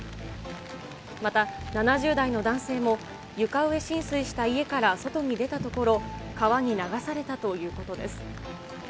また、７０代の男性も床上浸水した家から外に出たところ、川に流されたということです。